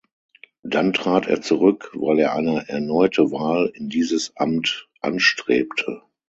Dann trat er zurück, weil er eine erneute Wahl in dieses Amt anstrebte.